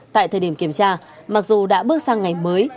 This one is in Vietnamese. tại thời điểm kiểm tra mặc dù đã bước sang ngày mới